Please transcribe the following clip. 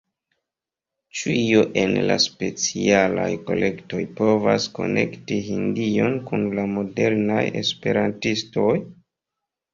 Ĉu io en la Specialaj Kolektoj povas konekti Hindion kun la modernaj esperantistoj?